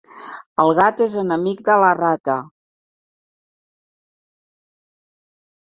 El gat és enemic de la rata.